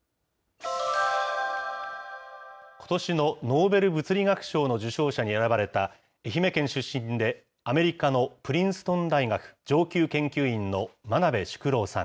ことしのノーベル物理学賞の受賞者に選ばれた、愛媛県出身で、アメリカのプリンストン大学上級研究員の真鍋淑郎さん。